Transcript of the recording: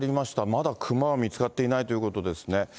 まだ熊は見つかっていないということですね。